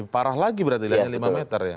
parah lagi berarti lihatnya lima meter ya